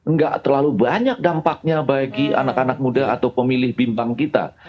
nggak terlalu banyak dampaknya bagi anak anak muda atau pemilih bimbang kita